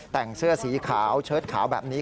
แต่งเสื้อสีขาวเชิดขาวแบบนี้